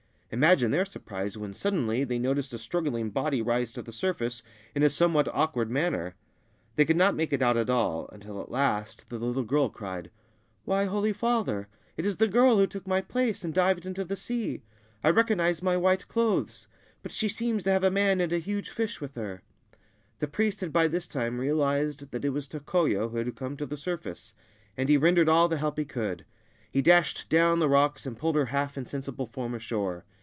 Imagine their surprise when suddenly they noticed a struggling body rise to the surface in a somewhat awkward manner ! They could not make it out at all, until at last the little girl cried, ' Why, holy father, it is the girl who took my place and dived into the sea ! I recognise my white clothes. But she seems to have a man and a huge fish with her/ The priest had by this time realised that it was Tokoyo who had come to the surface, and he rendered all the help he could. He dashed down the rocks, and pulled her half insensible form ashore.